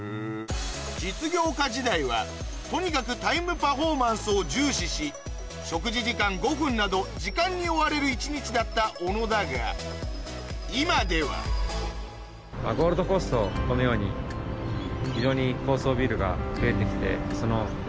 実業家時代はとにかくタイムパフォーマンスを重視し食事時間５分など時間に追われる一日だった小野だが今ではこのように非常に。